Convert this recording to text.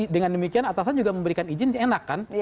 dengan demikian atasan juga memberikan izin enak kan